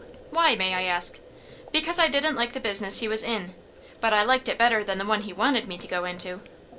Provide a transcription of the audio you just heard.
"Why, may I ask?" "Because I didn't like the business he was in. But I liked it better than the one he wanted me to go into."